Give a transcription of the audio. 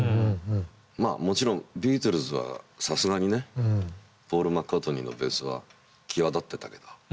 まあもちろんビートルズはさすがにねポール・マッカートニーのベースは際立ってたけど。